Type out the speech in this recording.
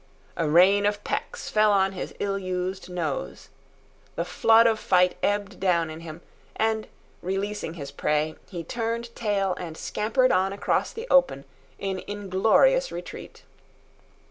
A rain of pecks fell on his ill used nose. The flood of fight ebbed down in him, and, releasing his prey, he turned tail and scampered on across the open in inglorious retreat.